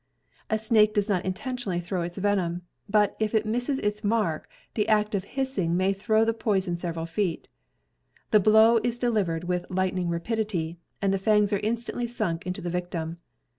A snake does not intentionally throw its venom ; but, if it misses its mark, the act of hissing may throw the poison several feet. The blow is delivered with lightning rapidity, and the fangs are instantly sunk into the victim.